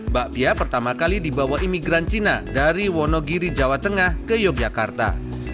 bakpia pertama kali dibawa imigran cina dari wonogiri jawa tengah ke yogyakarta